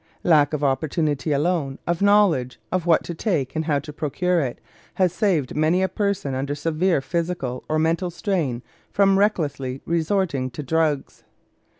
Lack of opportunity alone, of knowledge of what to take and how to procure it, has saved many a person under severe physical or mental strain from recklessly resorting to drugs.